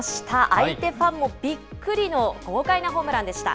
相手ファンもびっくりの豪快なホームランでした。